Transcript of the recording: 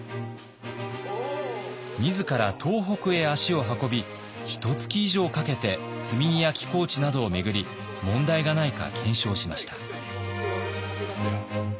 自ら東北へ足を運びひとつき以上かけて積み荷や寄港地などを巡り問題がないか検証しました。